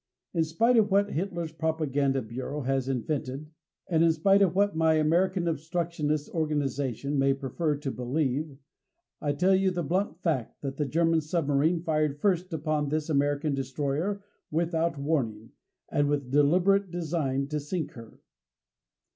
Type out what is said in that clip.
In spite of what Hitler's propaganda bureau has invented, and in spite of what any American obstructionist organization may prefer to believe, I tell you the blunt fact that the German submarine fired first upon this American destroyer without warning, and with deliberate design to sink her.